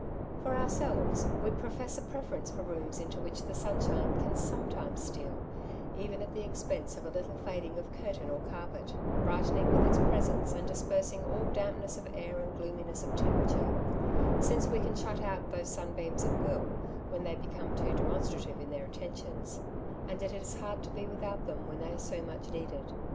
For ourselves, we profess a preference for rooms into which the sunshine can sometimes steal, even at the expense of a little fading of curtain or carpet, bright^iing with its presence, and dispersing all dampness of air and gloominess of temperature, since we can shut out those sunbeams at will, when they become too demonstrative in their attentions, and it is hard to be without them when they are so much needed.